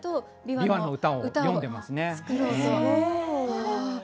びわの歌を詠んでますね。